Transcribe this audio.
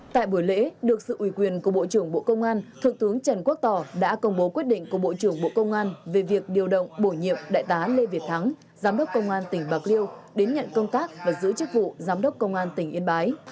tại buổi lễ được sự uy quyền của bộ trưởng bộ công an thượng tướng trần quốc tỏ đã công bố quyết định của bộ trưởng bộ công an về việc điều động bổ nhiệm đại tá lê việt thắng giám đốc công an tỉnh bạc liêu đến nhận công tác và giữ chức vụ giám đốc công an tỉnh yên bái